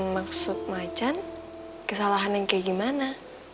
maksud macan kesalahan yang kayak gimana